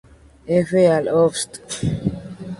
F al Ausf.